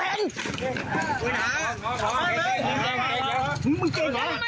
มึงหามึงเจ็บหรอ